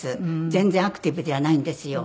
全然アクティブではないんですよ。